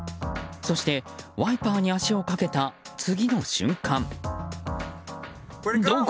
そして、ワイパーに足をかけた次の瞬間。